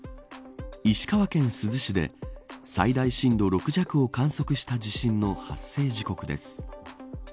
石川県珠洲市で最大震度６弱を観測した地震の発生時刻です。